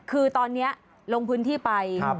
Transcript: คือตอนนี้ลงพื้นที่ไป